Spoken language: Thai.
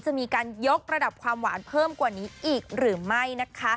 จะมีการยกระดับความหวานเพิ่มกว่านี้อีกหรือไม่นะคะ